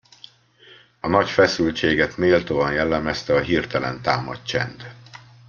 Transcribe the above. A nagy feszültséget méltóan jellemezte a hirtelen támadt csend.